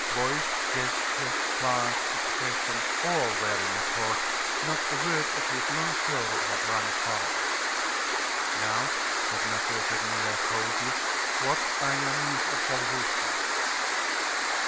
Voice, gesture, glance, expression, all were in accord; not a word of his long story had rung false. "Now," said M. Segmuller, coldly, "what are your means of subsistence?"